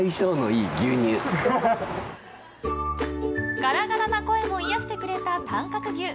ガラガラな声も癒やしてくれた短角牛。